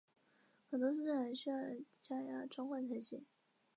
很多蔬菜还要加压装罐才行。